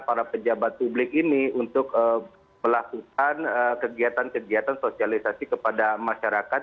para pejabat publik ini untuk melakukan kegiatan kegiatan sosialisasi kepada masyarakat